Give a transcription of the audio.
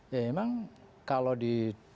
ya memang kalau di